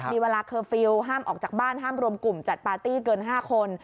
มีเวลาเคอร์ฟิลล์ห้ามออกจากบ้านห้ามรวมกลุ่มจัดปาร์ตี้เกิน๕คน